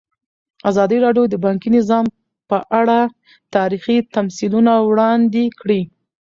ازادي راډیو د بانکي نظام په اړه تاریخي تمثیلونه وړاندې کړي.